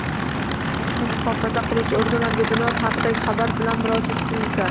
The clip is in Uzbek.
Huquqni muhofaza qiluvchi organlarga jinoyat haqidagi xabar bilan murojaat qilinsa